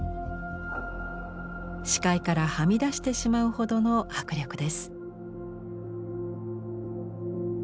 視界からはみ出してしまうほどの迫力です。